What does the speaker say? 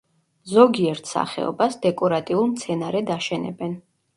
ზოგიერთ სახეობას დეკორატიულ მცენარედ აშენებენ.